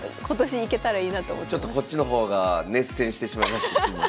ちょっとこっちの方が熱戦してしまいましてすいません。